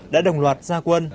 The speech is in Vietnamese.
đã đồng loạt gia quân